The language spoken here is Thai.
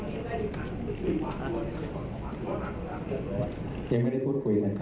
ถือว่าเป็นเอกสิทธิ์ก่อนแต่ละพักจะเรียกว่าอย่างไร